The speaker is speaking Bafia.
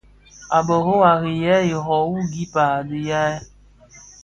A bërô à rì yêê ikoɔ wu gib bi riyal.